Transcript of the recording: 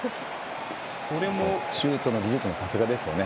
シュートの技術もさすがですね。